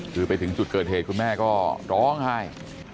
คือไปถึงจุดเกิดเหตุคุณแม่ก็ร้องไห้